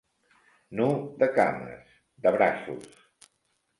Nu de cames, de braços.